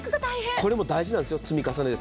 これも大事なんですよ、積み重ねです。